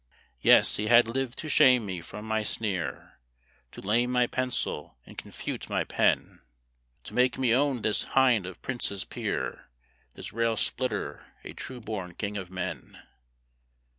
Yes, he had lived to shame me from my sneer, To lame my pencil, and confute my pen; To make me own this hind of Princes peer, This rail splitter a true born king of men.